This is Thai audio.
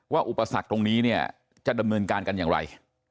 อุปสรรคตรงนี้เนี่ยจะดำเนินการกันอย่างไร